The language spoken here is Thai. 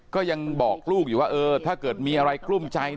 ก็ยังบอกลูกอยู่ว่าถ้าเกิดมีอะไรกลุ้มใจ